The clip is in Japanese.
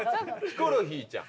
ヒコロヒーちゃん。